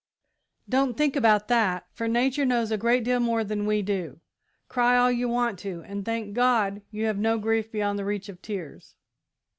"Don't think about that, for nature knows a great deal more than we do. Cry all you want to, and thank God you have no grief beyond the reach of tears."